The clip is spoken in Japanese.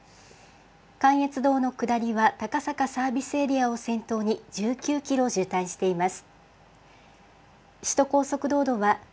関越道の下りは高坂サービスエリアを先頭に１９キロ渋滞しています。